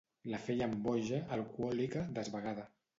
La feien boja, alcohòlica, desvagada.